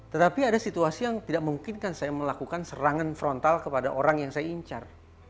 tetapi ada situasi yang tidak memungkinkan saya melakukan serangan frontal kepada orang yang saya incar